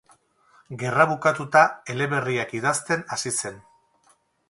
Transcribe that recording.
Gerra bukatuta eleberriak idazten hasi zen.